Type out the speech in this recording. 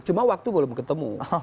cuma waktu belum ketemu